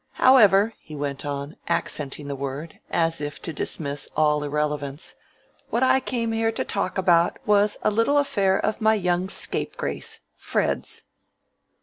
"However," he went on, accenting the word, as if to dismiss all irrelevance, "what I came here to talk about was a little affair of my young scapegrace, Fred's."